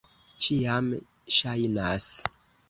Ĉiam ŝajnas.